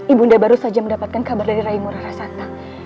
ibu nda baru saja mendapatkan kabar dari raimu rarasanta